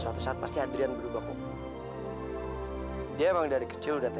soalnya harusnya belum nge yesterday